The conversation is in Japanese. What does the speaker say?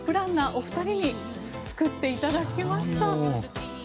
お二人に作っていただきました。